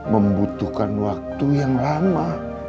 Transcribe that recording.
membutuhkan waktu yang lama